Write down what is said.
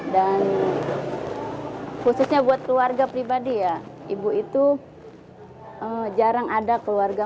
dan khususnya buat keluarga pribadi ya ibu itu jarang ada keluarga